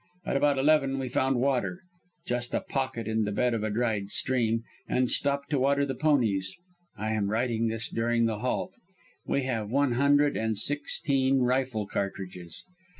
At about eleven we found water just a pocket in the bed of a dried stream and stopped to water the ponies. I am writing this during the halt. "We have one hundred and sixteen rifle cartridges.